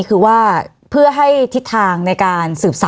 คือว่าเพื่อให้ทิศทางในการสืบสาร